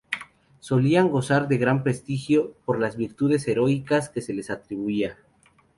Solían gozar de gran prestigio por las virtudes heroicas que se les atribuía.